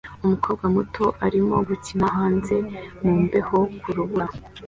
Umukobwa muto arimo gukina hanze mu mbeho ku rubura